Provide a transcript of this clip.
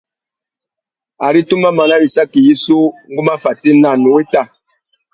Ari tu má mana wissaki yissú, ngu má fatēna, nnú wéta.